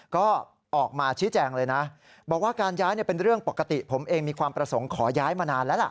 ก็ออกมาชี้แจงเลยนะบอกว่าการย้ายเป็นเรื่องปกติผมเองมีความประสงค์ขอย้ายมานานแล้วล่ะ